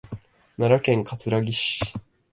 奈良県葛城市